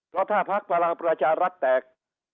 เพราะถ้าพักพลังประชารัฐแตก